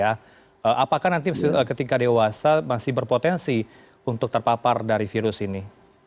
apakah nanti ketika dewasa masih berpotensi untuk terpapar dari virus ini